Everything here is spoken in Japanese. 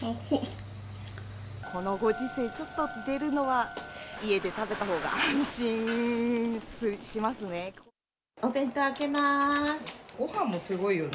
このご時世、ちょっと出るのは、家で食べたほうが安心しますね。